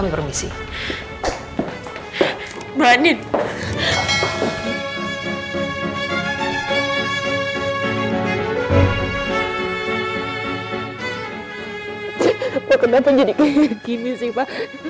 bapaknya semua keluarga kita